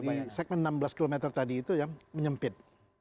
di segmen enam belas km tadi itu yang menyempit